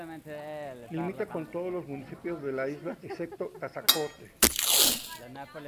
Limita con todos los municipios de la isla excepto Tazacorte.